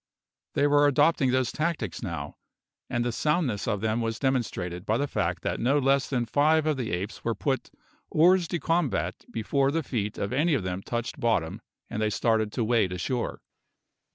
They were adopting those tactics now, and the soundness of them was demonstrated by the fact that no less than five of the apes were put hors de combat before the feet of any of them touched bottom and they started to wade ashore.